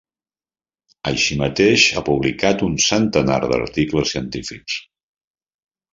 Així mateix ha publicat un centenar d'articles científics.